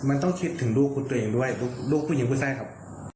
มันต้องคิดถึงลูกคุณตัวเองด้วยลูกผู้หญิงผู้ชายครับ